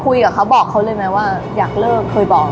คุยกับเขาบอกเขาเลยไหมว่าอยากเลิกเคยบอก